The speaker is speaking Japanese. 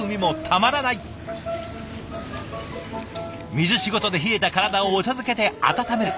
水仕事で冷えた体をお茶漬けで温める。